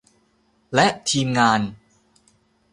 และทีมงาน